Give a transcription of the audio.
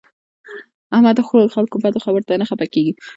احمد د خلکو بدو خبرو ته نه خپه کېږي.